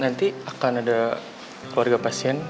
nanti akan ada keluarga pasien